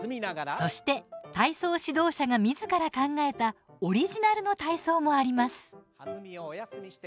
そして体操指導者がみずから考えたオリジナルの体操もあります。